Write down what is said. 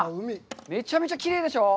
めちゃめちゃきれいでしょう。